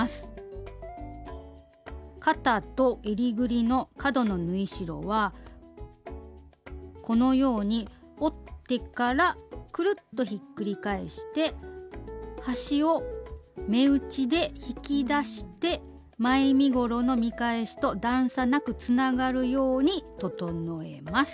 肩とえりぐりの角の縫い代はこのように折ってからくるっとひっくり返して端を目打ちで引き出して前身ごろの見返しと段差なくつながるように整えます。